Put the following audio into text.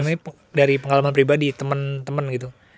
ini dari pengalaman pribadi temen temen gitu